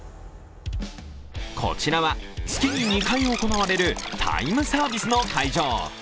こちらは月に２回行われるタイムサービスの会場。